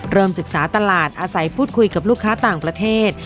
ศึกษาตลาดอาศัยพูดคุยกับลูกค้าต่างประเทศ